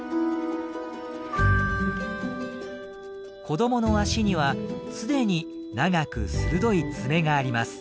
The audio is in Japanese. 子どもの足には既に長く鋭い爪があります。